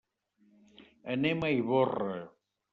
Anem a Ivorra.